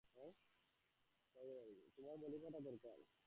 তোমার বলির পাঠা দরকার।